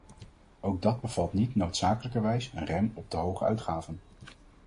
Ook dat bevat niet noodzakelijkerwijs een rem op te hoge uitgaven.